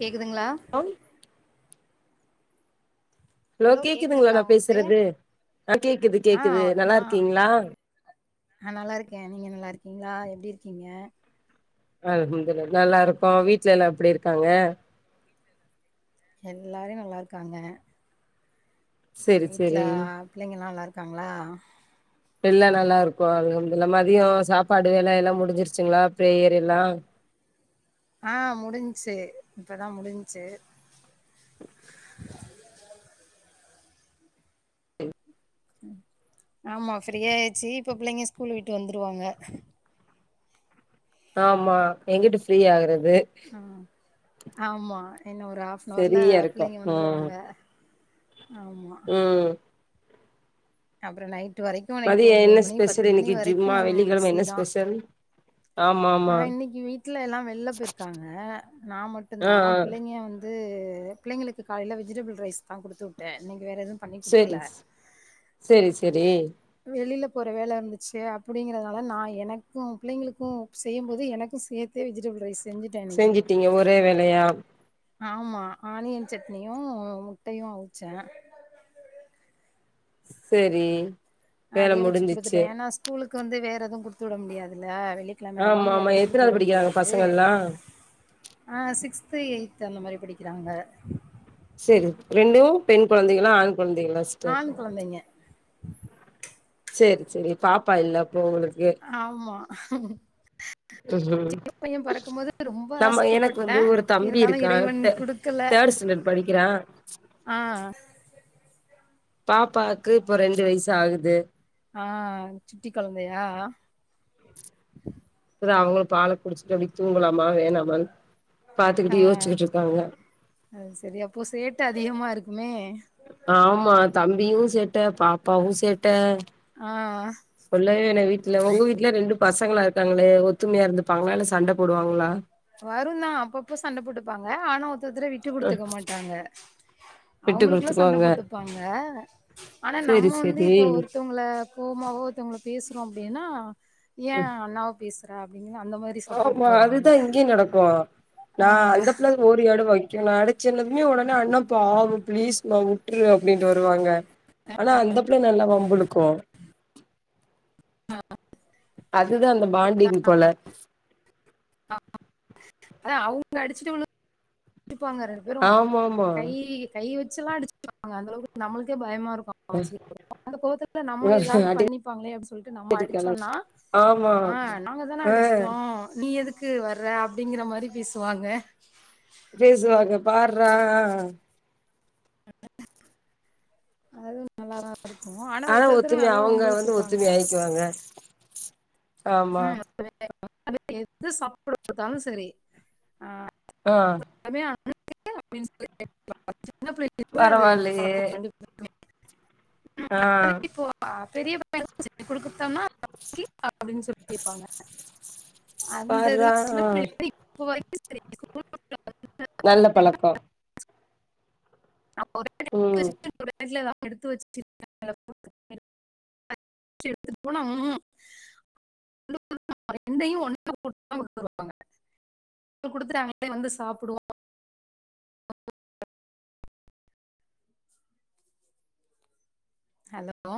கேக்குதுங்களா ங் லோ ஹலோ கேக்குதுங்களா நா உங்களுக்கு பேசுறது ஆ கேக்குது கேக்குது நா நல்லா இருக்கீங்கெளா ஆ நல்லா இருக்கே நீங்க நல்லா இருக்கீங்களா எப்டி இருக்கீங்க ஆ குஞ்ச நல்லா இருக்கோ வீட்ல எல்லா எப்டி இருக்காங்க எல்லாரு நல்லா இருக்காங்க செரி வீட்டுல செரி ஆ பிள்ளைங்கல்லா நல்லா இருக்காங்களா எல்லா நல்லா இருக்கோ அது வந்து மதியோ சாப்பாடு எல்லா எல்லா முடிஞ்சிருச்சுங்களா ஃபிரேயர் எல்லா ஆ முடிஞ்சுச்சு இப்பதா முடிஞ்சுச்சு [inaudible] ஆமா ஃப்ரீயா ஏயிச்சு இப்ப பிள்ளைங்க ஸ்கூல் விட்டு வந்துருவாங்க ஆமா எங்கட்டு ஃப்ரீ ஆகுறது ஆமா ஆமா இன்னு ஒரு ஹாஃன்னவுர்ல சரியா இருக்கு பிள்ளைங்க வந்துருவாங்க ஆமா உம் அப்புறோ நைட்டு வரைக்கு நைட்டு மதியோ ஒம்பது என்ன மணி ஸ்பெஷல் பத்து மணி இன்னைக்கு வரைக்கு ஜும்மா வெள்ளிக்கெழம பிஸி என்ன தா ஸ்பெஷல் ஆமா ஆ ஆமா இன்னைக்கு வீட்ல எல்லா வெள்ல போயிர்க்காங் நா ஆ ஆ மட்டும்தா பிள்ளையாங்க வந் து பிள்ளைங்களுக்கு காலைல வெஜுடேஃபுல் ரைஸ் தா குடுத்து உட்டே நீங்க வேற எது பண்ணி செரி குடுக்கல்ல செரி செரி வெளியில போற வேல இருந்துச்சு அப்டிங்கறதுனால நா எனக்கு பிள்ளைங்களுக்கு செய்யுபோது எனக்கு சேத்தே வெஜிடேஃபுள் ரைஸ் செஞ்சுட்டேன் இன்னைக்கு. செஞ்சிட்டீங்க ஒரே வேலையா ஆமா ஆனியன் சட்னியு முட்டையு அவுச்சே செரி வேல அதே வச்சு குடுத்துட்டே முடிஞ்சிச்சு ஏன்னா ஸ்கூலுக்கு வந்து வேற எது குடுத்து விட முடியாதுல வெள்ளி கெழமையா ஆமா இருந்தாலு வேற ஆமா எதுவு குடுத்து எத்தனாவது விட படிக்கிறாங்க முடியாது பசங்கள்லா அ சிக்ஸ்த்து எயித்து அந்த மாரி படிக்கிறாங்க செரி ரெண்டு பெண் குழந்தைகளு ஆண் குழந்தைகளு ஆண் கொழந்தைங்க செர் செரி பாப்பா இல்ல அப்போ ஒங்களுக்கு ஆமா பையன் பிறக்கும்போது ரொம்ப [inaudible] ஆமா எனக்கு வந்து ஆசைப்பட்டேன் ஒரு தம்பி இருந்தாலு இருக்கான் இறைவன் குடுக்கல தேர்ட் ஸ்டாண்டர்ட் படிக்கிறா ஆ பாப்பாக்கு இப்ப ரெண்டு வயசு ஆகுது ஆ சுட்டி கொழந்தையா இப்பதா அவங்களு பால குடிச்சுட்டு அப்டி தூங்கலாமா வேணாமனு ஆ பாத்துக்கிட்டு யோசிக்கிட்டு இருக்காங்க அது செரி அப்போ சேட்ட அதிகமா இருக்குமே ஆமா தம்பியு சேட்ட பாப்பாவு சேட்ட ஆ சொல்ல வேயில்ல வீட்ல உங்க வீட்ல ரெண்டு பசங்களா இருக்காங்ளே ஒத்துமையா இருந்துப்பாங்ளா இல்ல சண்ட போடுவாங்ளா வருதா அப்பப்ப சண் போட்டுப்பாங்க ஆனா ஒருத்தத்தர விட்டு அ குடுத்துக்க மாட்டாங்க விட்டு அவுங்களுக்குள்ள சண்ட குடுத்துக்குவாங்க போட்டுப்பாங்க ஆனா நம்ம செரி வந்து செரி இப்ப ஒரு தங்ள கோமாவோ ஒரு தங்ளோ பேசுறோ அப்டின்னா ஏன் அண்ணாவே பேசுற அப்டிங் அந்த மாரி ஆமா சப்போர்ட்டுக்கு வருவாங்க அதுதா இங்கியு நடக்கு ஆ நா அந்த பிள்ள ஓரியாட வைக்கு நா அடிச்சதுமே உடனே அண்ணாப் பாவு பிளீஸ் மா உட்ரு அப்டின்டு வருவாங்க ஆனா அந்த பிள்ள நல்லா வம்பிளுக்கு ஆ அதுதா அந்த பாண்டிங் போல அதா அவுங்க அடிச்சிட்டு வந்து நிப்பாங்க ரெண்டு பேரு ஆமாமா கை கை வச்சல்லா அடிச்சுப்பாங்க அந்த அளவுக்கு நம்மளுக்கே பயமா இருக்கு [unintelligible] அந்த கோவத்தத்துல நம்ம ஏதாவது அடி பண்ணிப்பாங்ளே அப்டி சொல்டு நம்ம தடிக்கால அடிச்சோனா ஆமா ஆ நாங்க தான ஆ அடிச்ட்டோ நீ எதுக்கு வர்ற அப்டிங்கிற மாரி பேசுவாங்க பேசுவாங்க பார்ரா அதுவு நல்லாதா இருக்கு ஆனா ஒருத்தத்தரு நல்லா வம்பிழுத்துப்பாங்க வாங்க [unintelligible] எது சாப்பட குடுத்தாலு சரி ஆ ஆ [unintelligible] சின்ன பிள்ளைள இருந்தே பரவால்லயே பழக்கோ [unintelligible] ஆ அப்டின் சொல்லி கேப்பாங்க அந்த இதுல பார்றா சின்ன ஆ பிள்ளைள இருந்து இப்ப வரைக்கு செரி நல்ல பழக்கோ ம் [unintelligible] வச்சி எடுத்துட் போனா ம் [unintelligible] குடுத்துட்டாங்ளே வந்து சாப்டுவோ ஹலோ